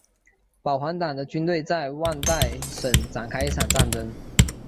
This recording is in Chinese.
保皇党的军队在旺代省展开一场战争。